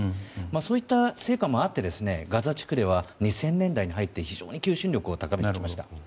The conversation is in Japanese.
そういった成果もあってガザ地区では２０００年代に入って非常に求心力を高めてきました。